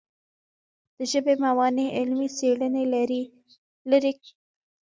د ژبې موانع علمي څېړنې لیرې کوي.